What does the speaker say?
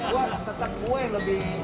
gue harus tetap gue yang lebih berhati hati